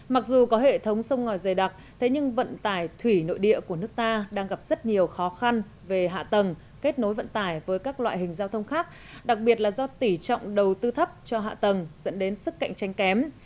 mặc dù có hệ thống sông ngòi dày đặc thế nhưng vận tải thủy nội địa của nước ta đang gặp rất nhiều khó khăn về hạ tầng kết nối vận tải với các loại hình giao thông khác đặc biệt là do tỉ trọng đầu tư thấp cho hạ tầng dẫn đến sức cạnh tranh kém